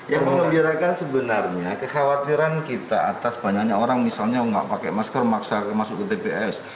yang mengembirakan sebenarnya kekhawatiran kita atas banyaknya orang misalnya nggak pakai masker maksa masuk ke tps